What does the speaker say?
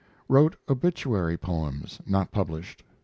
Wrote obituary poems not published.